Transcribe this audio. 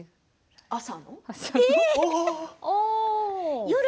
朝の？